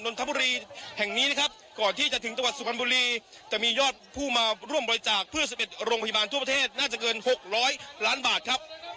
นทบุรีแห่งนี้นะครับก่อนที่จะถึงจังหวัดสุพรรณบุรีจะมียอดผู้มาร่วมบริจาคเพื่อ๑๑โรงพยาบาลทั่วประเทศน่าจะเกิน๖๐๐ล้านบาทครับ